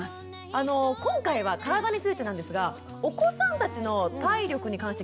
あの今回は体についてなんですがお子さんたちの体力に関して気になってることってありますか？